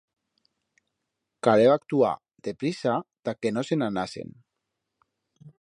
Caleba actuar deprisa ta que no se'n anasen.